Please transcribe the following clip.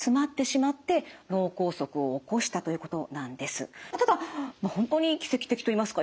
そしてただ本当に奇跡的といいますか。